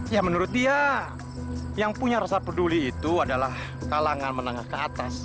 ya menurut dia yang punya rasa peduli itu adalah kalangan menengah ke atas